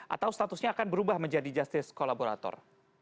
atau statusnya akan berubah menjadi justice kolaborator